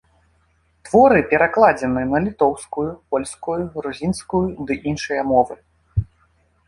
Творы перакладзены на літоўскую, польскую, грузінскую ды іншыя мовы.